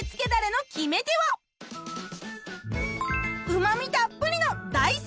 うま味たっぷりの大山